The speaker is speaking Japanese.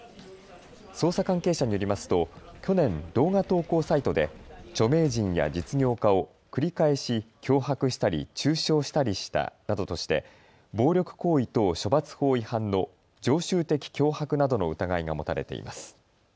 捜査関係者によりますと去年、動画投稿サイトで著名人や実業家を繰り返し脅迫したり中傷したりしたなどとして暴力行為等処罰法違反の常習的脅迫などの疑いが持たれています。